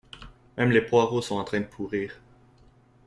Même les poireaux sont en train de pourrir.